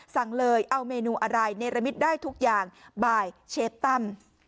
สั่งเลยเอาเมนูอะไรเนรมิตได้ทุกอย่างบ่ายเชฟตั้ม